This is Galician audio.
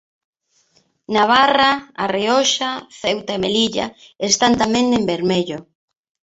Navarra, A Rioxa, Ceuta e Melilla, están tamén en vermello.